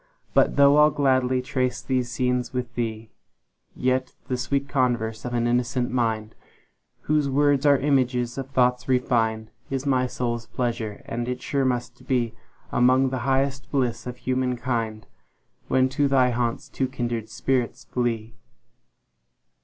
But though I'll gladly trace these scenes with thee, Yet the sweet converse of an innocent mind, Whose words are images of thoughts refin'd, Is my soul's pleasure; and it sure must beAlmost the highest bliss of human kind, When to thy haunts two kindred spirits flee.